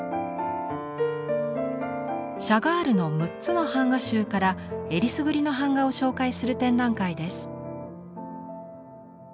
シャガールの６つの版画集からえりすぐりの版画を紹介する展覧会です。